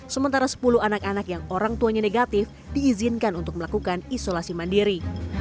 sementara sepuluh anak anak yang orang tuanya negatif diizinkan untuk melakukan isolasi mandiri